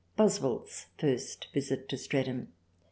Boswell's first visit to Streatham.